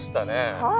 はい。